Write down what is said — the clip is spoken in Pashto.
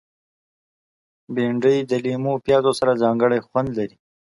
بېنډۍ د لیمو او پیاز سره ځانګړی خوند لري